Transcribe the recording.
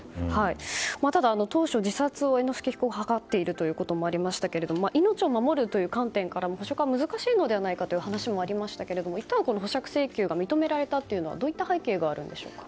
ただ当初、自殺を猿之助被告は図っていることもありましたけど命を守るという観点から保釈は難しいんじゃないかという話もありましたがいったん保釈請求が認められたのはどういう背景があるんですか。